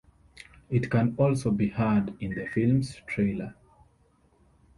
It can also be heard in the film's trailer.